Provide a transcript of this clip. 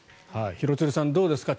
廣津留さんどうですか。